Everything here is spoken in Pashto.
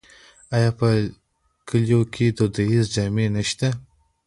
آیا په کلیو کې دودیزې جامې نشته؟